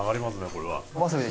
これは。